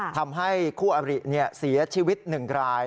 ทำให้คู่อบริเสียชีวิต๑ราย